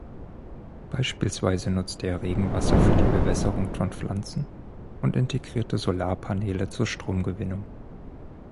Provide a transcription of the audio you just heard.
Beispielsweise nutzte er Regenwasser für die Bewässerung von Pflanzen und integrierte Solarpaneele zur Stromgewinnung.